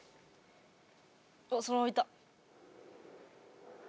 おそのままいった！